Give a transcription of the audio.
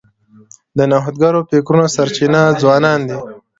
د نوښتګرو فکرونو سرچینه ځوانان دي.